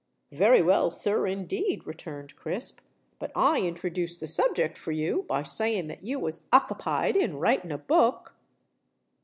"Very well, sir, indeed," returned Crisp. "But I introduced the subject for you, by saying that you was okkipied in writing a book."